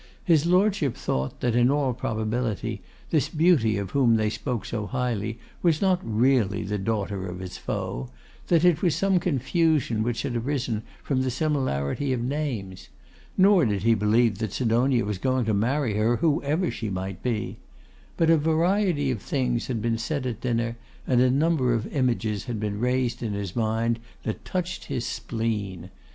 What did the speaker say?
His lordship thought that, in all probability, this beauty of whom they spoke so highly was not really the daughter of his foe; that it was some confusion which had arisen from the similarity of names: nor did he believe that Sidonia was going to marry her, whoever she might be; but a variety of things had been said at dinner, and a number of images had been raised in his mind that touched his spleen.